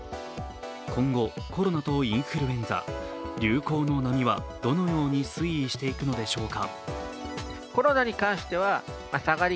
今後、コロナとインフルエンザ、流行の波はどのように推移していくのでしょうか。